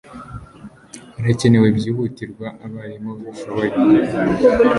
harakenewe byihutirwa abarimu babishoboye